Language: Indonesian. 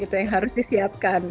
gitu yang harus disiapkan